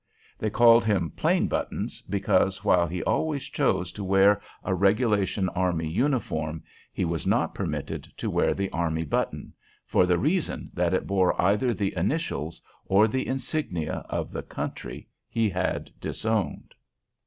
They called him "Plain Buttons," because, while he always chose to wear a regulation army uniform, he was not permitted to wear the army button, for the reason that it bore either the initials or the insignia of the country he had disowned.